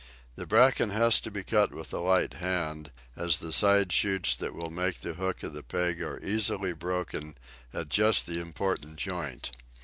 The Bracken has to be cut with a light hand, as the side shoots that will make the hook of the peg are easily broken just at the important joint.